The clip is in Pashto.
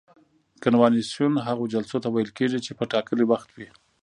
کنوانسیون هغو جلسو ته ویل کیږي چې په ټاکلي وخت وي.